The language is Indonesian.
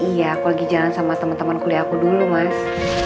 iya aku lagi jalan sama teman teman kuliah aku dulu mas